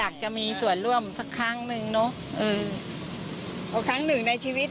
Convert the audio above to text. ครั้งหนึ่งในชีวิต